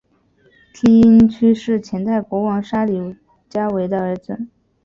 梯因屈是前代国王沙里伽维的儿子。